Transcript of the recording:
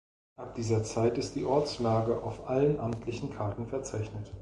Ab dieser Zeit ist die Ortslage auf allen amtlichen Karten verzeichnet.